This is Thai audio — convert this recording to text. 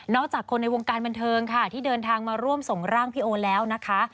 จากคนในวงการบันเทิงค่ะที่เดินทางมาร่วมส่งร่างพี่โอแล้วนะคะ